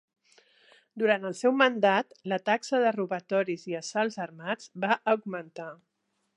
Durant el seu mandat, la taxa de robatoris i assalts armats va augmentar.